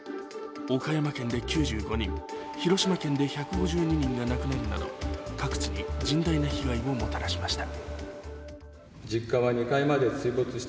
岡山県で９５人、広島県で１５２人が亡くなるなど、各地に甚大な被害をもたらしました。